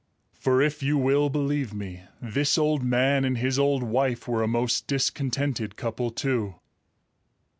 For if you will believe me, this old man and his old wife were a most discontented couple too!